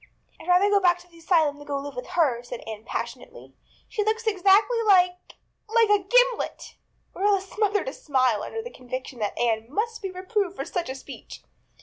"I'd rather go back to the asylum than go to live with her," said Anne passionately. "She looks exactly like a like a gimlet." Marilla smothered a smile under the conviction that Anne must be reproved for such a speech.